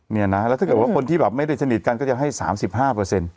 เนี่ยนะแล้วถ้าเกิดว่าคนที่แบบไม่ได้สนิทกันก็จะให้๓๕เปอร์เซ็นต์